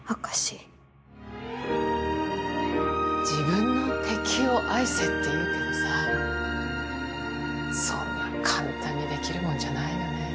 自分の敵を愛せって言うけどさあそんな簡単にできるもんじゃないよね。